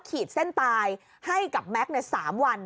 ขีดเส้นตายให้กับแม็กซ์ใน๓วัน